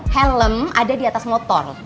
helm ada di atas motor